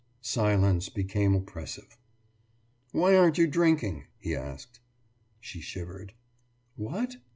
Silence became oppressive. »Why aren't you drinking?« he asked. She shivered. »What?